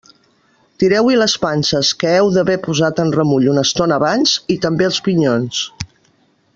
Tireu-hi les panses, que heu d'haver posat en remull una estona abans, i també els pinyons.